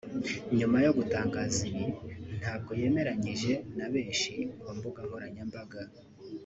nyuma yo gutangaza ibi ntabwo yemeranyije na benshi ku mbuga nkoranyambuga